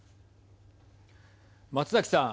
松崎さん。